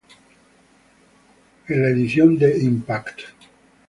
En la edición de "Impact!